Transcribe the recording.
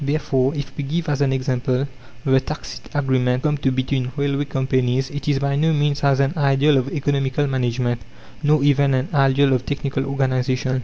Therefore, if we give as an example the tacit agreement come to between railway companies, it is by no means as an ideal of economical management, nor even an ideal of technical organization.